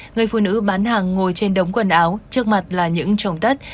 người phụ nữ bán hàng ngồi trên đống quần áo trước mặt là những trồng tất